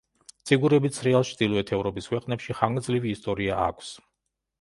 ციგურებით სრიალს ჩრდილოეთ ევროპის ქვეყნებში ხანგძლივი ისტორია აქვს.